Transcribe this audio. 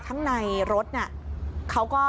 ข้างในรถน่ะเขาก็